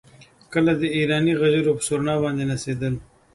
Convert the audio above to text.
کله د ایراني غجرو پر سورنا باندې نڅېدل.